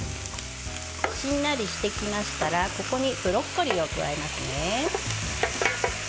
しんなりしてきましたらここにブロッコリーを加えますね。